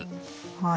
はい。